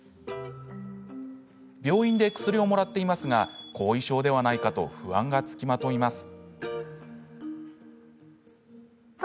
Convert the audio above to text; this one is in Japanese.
病院で薬をもらっていますが後遺症ではないかと不安がつきまといます。